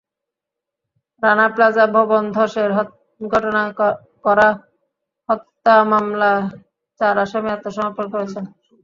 Rana Plaza ভবন ধসের ঘটনায় করা হত্যা মামলায় চার আসামি আত্মসমর্পণ করেছেন।